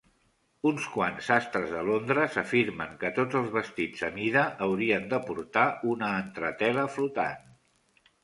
Uns quants sastres de Londres afirmen que tots els vestits a mida haurien de portar una entretela flotant.